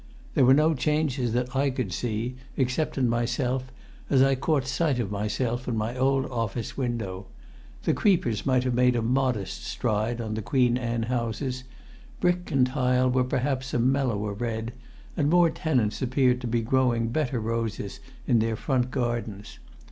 There were no changes that I could see, except in myself as I caught sight of myself in my old office window. The creepers might have made a modest stride on the Queen Anne houses; brick and tile were perhaps a mellower red; and more tenants appeared to be growing better roses in their front gardens.